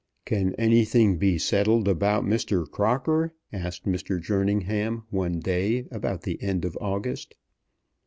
"Can anything be settled about Mr. Crocker?" asked Mr. Jerningham, one day about the end of August.